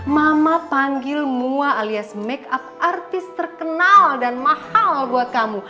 mama panggil mua alias make up artis terkenal dan mahal buat kamu